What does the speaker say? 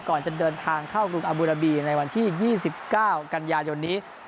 ก่อนจะเดินทางเข้ากรุงอบูราบีในวันที่๒๙กันยายนนี้